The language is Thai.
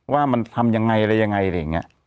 ว่ามันทำอย่างไรละอย่างงี้